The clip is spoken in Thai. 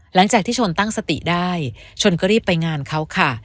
หลังจากที่ชนตั้งสติได้ชนก็รีบไปงานเขาค่ะ